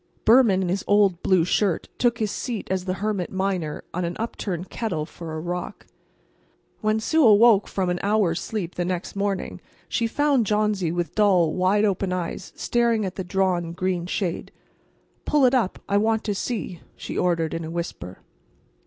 Behrman, in his old blue shirt, took his seat as the hermit miner on an upturned kettle for a rock. When Sue awoke from an hour's sleep the next morning she found Johnsy with dull, wide open eyes staring at the drawn green shade. "Pull it up; I want to see," she ordered, in a whisper.